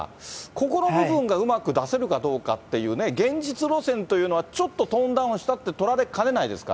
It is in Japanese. ここの部分がうまく出せるかどうかっていう、現実路線というのはちょっとトーンダウンしたって取